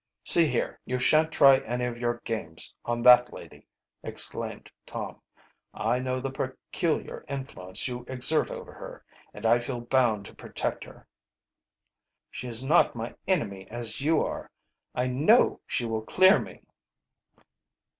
"See here, you shan't try any of your games on that lady!" exclaimed Tom. "I know the peculiar influence you exert over her, and I feel bound to protect her." "She is not my enemy, as you are. I know she will clear me."